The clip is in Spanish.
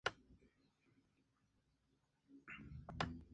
Viven al pie de las cascadas, en pantanos, arroyos y estanques.